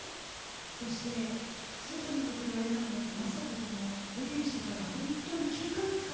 そして外にも出られなくなって正人ともデビューしてから本当に９か月間会えなかったの。